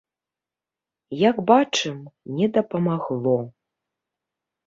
Як бачым, не дапамагло.